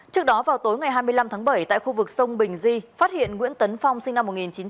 trước đó vào tối ngày hai mươi năm tháng bảy tại khu vực sông bình di phát hiện nguyễn tấn phong sinh năm một nghìn chín trăm tám mươi